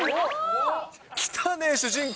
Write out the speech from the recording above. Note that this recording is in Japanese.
来たね、主人公。